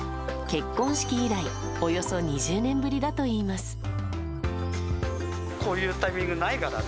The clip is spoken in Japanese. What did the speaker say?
結婚式以来およそ２０年ぶりだといいます。